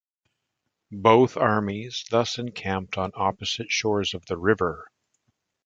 Both armies thus encamped on opposite shores of the river.